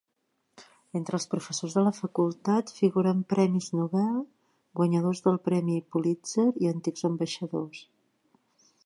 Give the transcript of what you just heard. Entre els professors de la facultat figuren premis Nobel, guanyadors del premi Pulitzer i antics ambaixadors.